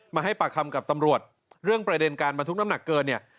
มาให้ปากคำกับตำรวจเรื่องประเด็นการบรรทุกน้ำหนักเกินเนี่ย